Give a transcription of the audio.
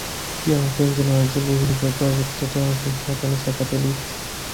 Pia mapenzi na wajibu vilivyokuwa vikitetea mafundisho ya Kanisa Katoliki